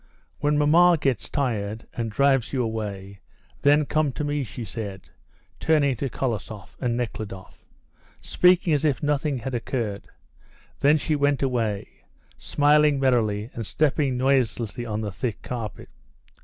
"When mamma gets tired of you and drives you away, then come to me," she said, turning to Kolosoff and Nekhludoff, speaking as if nothing had occurred; then she went away, smiling merrily and stepping noiselessly on the thick carpet.